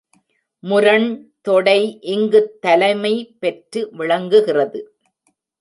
முரண் தொடை இங்குத் தலைமை பெற்று விளங்குகிறது.